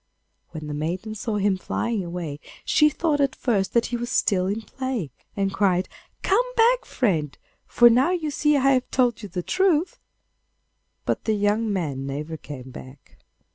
When the maiden saw him flying away she thought at first that he was still in play, and cried, 'Come back, friend, for now you see I have told you the truth.' But the young man never came back.